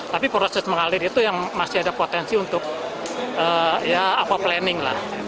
tapi proses mengalir itu yang masih ada potensi untuk planning